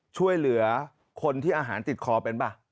ช่วยเหลือคนที่อาหารติดคอเป็นป่ะ